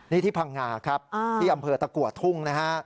นี่ที่พังงาครับที่อำเภอตะกัวทุ่งนะฮะ